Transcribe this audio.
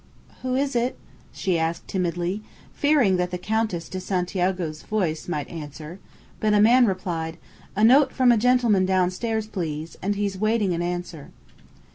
"Who is it?" she asked, timidly, fearing that the Countess de Santiago's voice might answer; but a man replied: "A note from a gentleman downstairs, please, and he's waiting an answer."